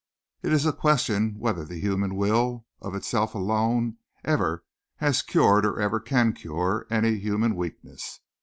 It is a question whether the human will, of itself alone, ever has cured or ever can cure any human weakness.